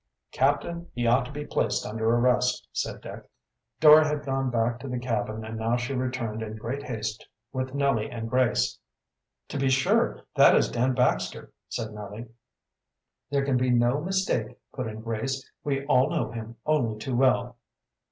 "Captain, he ought to be placed under arrest," said Dick. Dora had gone back to the cabin and now she returned in great haste with Nellie and Grace. "To be sure, that is Dan Baxter," said Nellie. "There can be no mistake," put in Grace, "We all know him only too well."